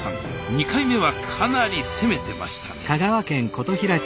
２回目はかなり攻めてましたね